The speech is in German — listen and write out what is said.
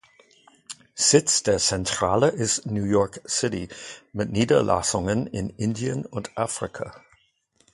Sitz der Zentrale ist New York City mit Niederlassungen in Indien und Afrika.